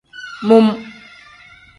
Mum.